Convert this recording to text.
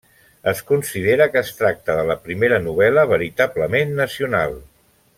Es considera que es tracta de la primera novel·la veritablement nacional.